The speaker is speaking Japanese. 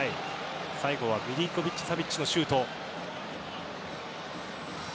最後はミリンコヴィッチ・サヴィッチのシュート。